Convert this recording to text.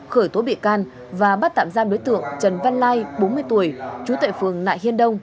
khởi tố bị can và bắt tạm giam đối tượng trần văn lai bốn mươi tuổi trú tại phường nại hiên đông